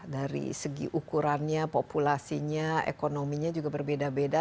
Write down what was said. dari segi ukurannya populasinya ekonominya juga berbeda beda